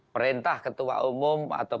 perintah ketua umum atau